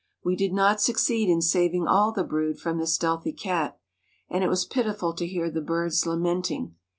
We did not succeed in saving all the brood from the stealthy cat, and it was pitiful to hear the birds lamenting.